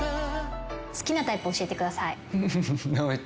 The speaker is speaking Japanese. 好きなタイプ教えてください。